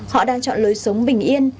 họ đang chọn lối sống bình yên